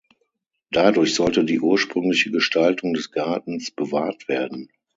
Dadurch sollte die ursprüngliche Gestaltung des Gartens bewahrt werden.